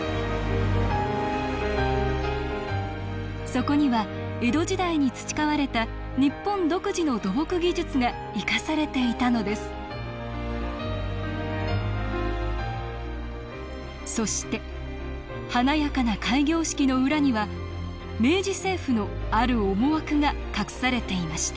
そこには江戸時代に培われた日本独自の土木技術が生かされていたのですそして華やかな開業式の裏には明治政府のある思惑が隠されていました。